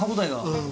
うん。